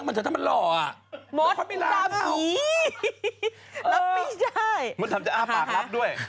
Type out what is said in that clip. พี่ดำตามมารับด้วย